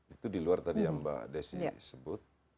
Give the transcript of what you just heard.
itu diluar tadi yang mbak desy sebut